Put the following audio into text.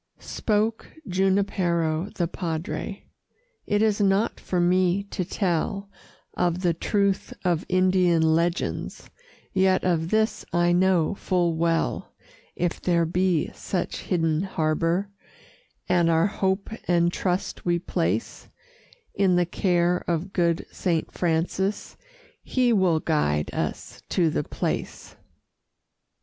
Spoke Junipero the Padre: "It is not for me to tell Of the truth of Indian legends, Yet of this I know full well If there be such hidden harbor, And our hope and trust we place In the care of good Saint Francis, He will guide us to the place."